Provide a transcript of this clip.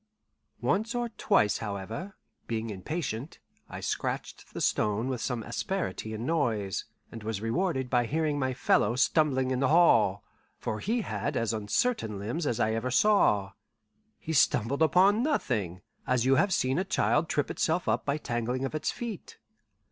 Once or twice, however, being impatient, I scratched the stone with some asperity and noise, and was rewarded by hearing my fellow stumbling in the hall; for he had as uncertain limbs as ever I saw. He stumbled upon nothing, as you have seen a child trip itself up by tangling of its feet.